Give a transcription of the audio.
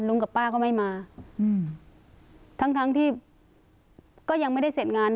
กับป้าก็ไม่มาอืมทั้งทั้งที่ก็ยังไม่ได้เสร็จงาน